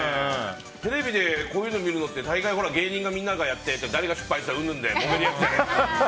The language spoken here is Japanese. テレビでこういうの見るのって大体芸人がみんなでやって誰が失敗しいたうんぬんでもめるやつだから。